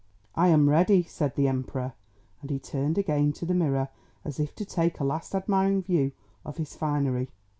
"I am ready," said the Emperor. And he turned again to the mirror as if to take a last admiring view of his finery.